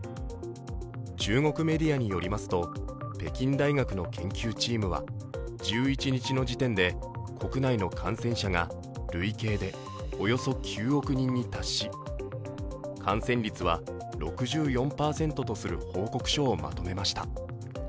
中国メディアによりますと北京大学の研究チームは、１１日の時点で国内の感染者が累計でおよそ９億人に達し感染率は６４％とする報告書をまとめました。